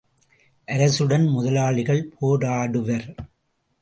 அரசுடன் முதலாளிகள் போராடுவர்.